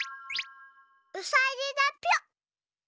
うさぎだぴょ。